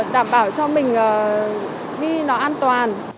đảm bảo cho mình đi nó an toàn